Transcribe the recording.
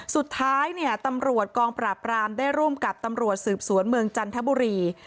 สุดท้ายเนี่ยตำรวจกองปราบรามได้ร่วมกับตำรวจสืบสวนเมืองจันทบุรี